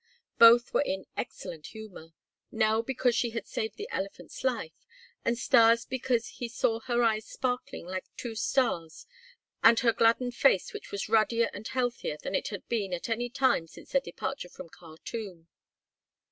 Both were in excellent humor Nell because she had saved the elephant's life and Stas because he saw her eyes sparkling like two stars and her gladdened face which was ruddier and healthier than it had been at any time since their departure from Khartûm.